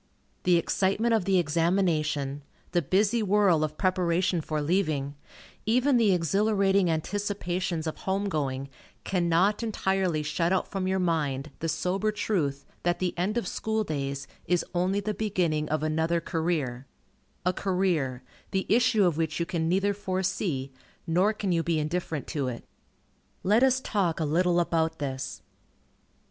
The excitement of the examination, the busy whirl of preparation for leaving, even the exhilarating anticipations of home going, cannot entirely shut out from your mind the sober truth that the end of school days is only the beginning of another career, a career, the issue of which you can neither foresee, nor can you be indifferent to it. Let us talk a little about this.